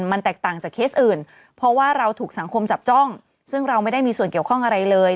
มันแตกต่างจากเคสอื่นเพราะว่าเราถูกสังคมจับจ้องซึ่งเราไม่ได้มีส่วนเกี่ยวข้องอะไรเลย